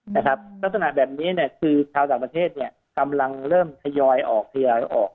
ลักษณะแบบนี้เนี่ยคือชาวต่างประเทศเนี่ยกำลังเริ่มทยอยออกทยอยออก